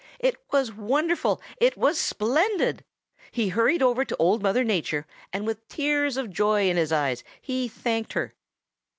It was wonderful! It was splendid! He hurried over to Old Mother Nature, and with tears of joy in his eyes he thanked her.